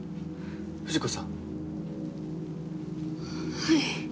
はい。